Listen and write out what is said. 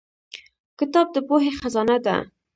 کتاب د پوهې خزانه ده